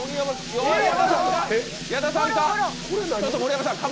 矢田さんか？